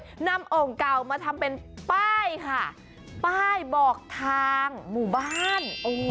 นำโอ่งเก่ามาทำเป็นป้ายค่ะป้ายบอกทางหมู่บ้าน